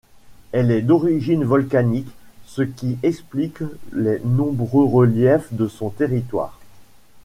Elle est d'origine volcanique ce qui explique les nombreux reliefs de son territoire.